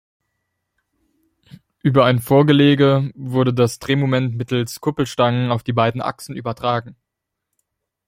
Über ein Vorgelege wurde das Drehmoment mittels Kuppelstangen auf die beiden Achsen übertragen.